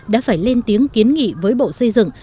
đã phải lên tiếng kiến nghị với bộ xây dựng